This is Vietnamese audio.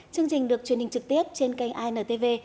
chương trình được truyền hình trực tiếp trên kênh intv